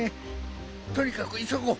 とにかくいそごう。